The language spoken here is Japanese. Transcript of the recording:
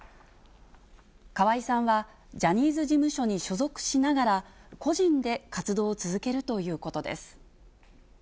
河合さんはジャニーズ事務所に所属しながら、個人で活動を続けるということです。